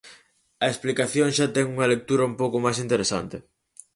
A explicación xa ten unha lectura un pouco máis interesante.